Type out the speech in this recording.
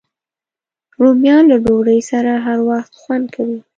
رومیان له ډوډۍ سره هر وخت خوند کوي